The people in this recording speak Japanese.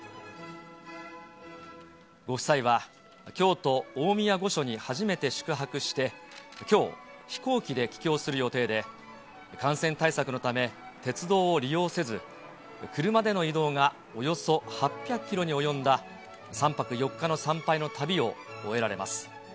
ご夫妻は、京都大宮御所に初めて宿泊して、きょう、飛行機で帰京する予定で、感染対策のため、鉄道を利用せず、車での移動がおよそ８００キロに及んだ３泊４日の参拝の旅を終えられます。